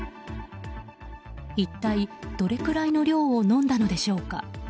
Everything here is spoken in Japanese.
一体どれぐらいの量を飲んだのでしょうか。